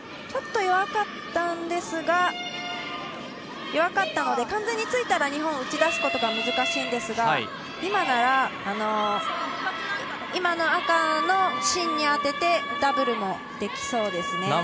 ちょっと弱かったんですが弱かったので完全に突いたら日本は打ち出すことが難しいんですが今の赤の芯に当ててダブルもできそうですね。